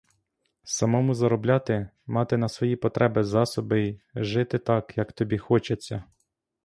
Самому заробляти, мати на свої потреби засоби й жити так, як тобі хочеться.